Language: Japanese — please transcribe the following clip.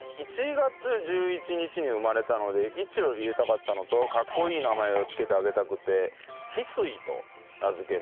１月１１日に生まれたので「１」を入れたかったのとかっこいい名前をつけてあげたくて一翠と名付けました。